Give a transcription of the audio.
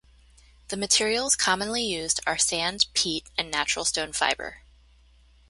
The materials commonly used are sand, peat and natural stone fibre.